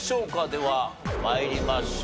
では参りましょう。